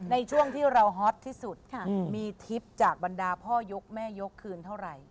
ในช่วงที่เราฮอตที่สุดมีทริปจากบรรดาพ่อยกแม่ยกคืนเท่าไหร่